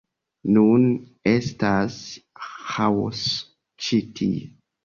Nun estas ĥaoso ĉi tie